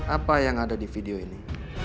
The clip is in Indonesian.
apa yang ada di video ini